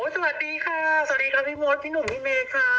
สวัสดีค่ะพี่โม๊ทพี่หนุ่มพี่เมฆค่ะ